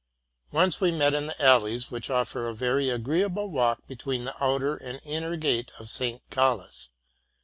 Once we met in the alleys which offer a very agreeable walk between the outer and inner gate of Saint Gallus.